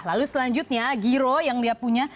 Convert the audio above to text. lalu selanjutnya giro yang dia punya